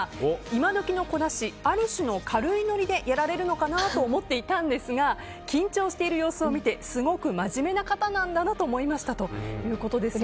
今時の子だしある種の軽いノリでやられるのかなと思っていたんですが緊張している様子を見てすごく真面目な方なんだなと思いましたということです。